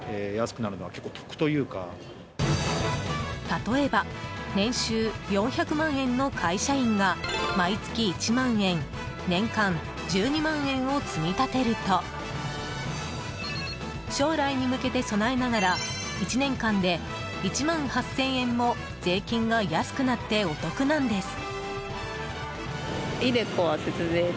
例えば年収４００万円の会社員が毎月１万円年間１２万円を積み立てると将来に向けて備えながら１年間で１万８０００円も税金が安くなって、お得なんです。